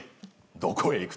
「どこへ行く？」